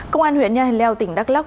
công an huyện nha hình leo tỉnh đắk lóc